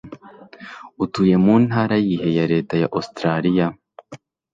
Utuye mu ntara Yihe ya Leta ya Australiya?